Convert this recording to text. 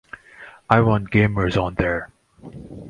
I want gamers on there.